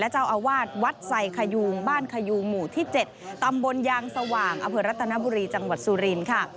เจ้าอาวาสวัดไซคยูงบ้านคยูงหมู่ที่๗ตำบลยางสว่างอำเภอรัตนบุรีจังหวัดสุรินทร์ค่ะ